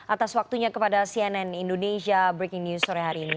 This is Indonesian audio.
atas waktunya kepada cnn indonesia breaking news sore hari ini